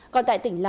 còn tại tỉnh lạc